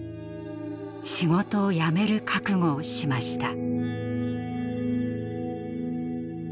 仕事を辞める覚悟をしました。